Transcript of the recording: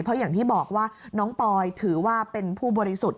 เพราะอย่างที่บอกว่าน้องปอยถือว่าเป็นผู้บริสุทธิ์